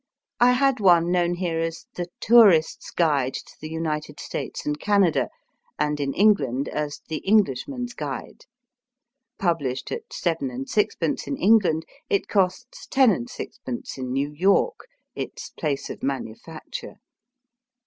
I had one known here as " The Tourists* Guide to the United States and Canada," and in England as " The Englishman's Guide." Published at 75. 6^. in England, it costs lOs. 6d. in New York, its place of manu facture.